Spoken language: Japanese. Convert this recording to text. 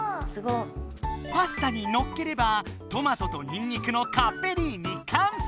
パスタにのっければトマトとにんにくのカッペリーニ完成！